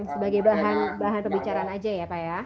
sebagai bahan bahan perbicaraan aja ya pak ya